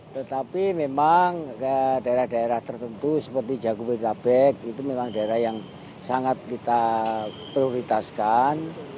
tetapi memang daerah daerah tertentu seperti jabodetabek itu memang daerah yang sangat kita prioritaskan